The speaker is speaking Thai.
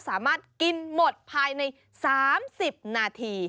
สามารถกินหมดภายใน๓๐นาที